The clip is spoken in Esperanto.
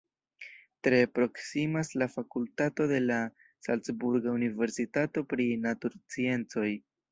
Tre proksimas la fakultato de la salcburga universitato pri natursciencoj.